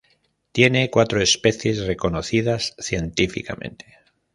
Tiene cuatro especies reconocidas científicamente.